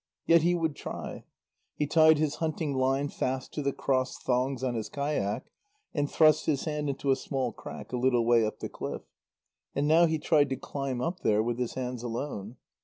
Yet he would try. He tied his hunting line fast to the cross thongs on his kayak, and thrust his hand into a small crack a little way up the cliff. And now he tried to climb up there with his hands alone.